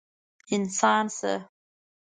انسان شه!